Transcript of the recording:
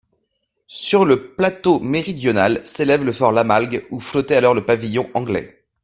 Sur le plateau méridional s'élève le fort Lamalgue, où flottait alors le pavillon anglais.